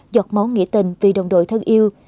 giọt máu nghĩa tình vì đồng đội thân yêu